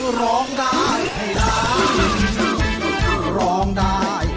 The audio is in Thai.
เพื่อร้องได้ให้ร้าน